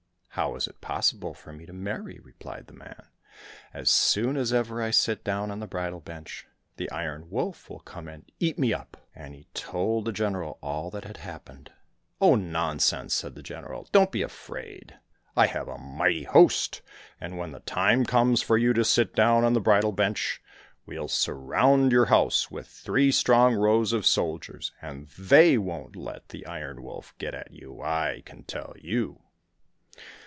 —" How is it possible for me to marry ?" replied the man ; "as soon as ever I sit down on the bridal bench, the Iron Wolf will come and eat me up." And he told the General all that had happened. —" Oh, nonsense !" said the General, " don't be afraid. I have a mighty host, and when the time comes for you to sit down on the bridal bench, we'll surround your house with three strong rows of soldiers, and they won't let the Iron Wolf get at you, I can tell you."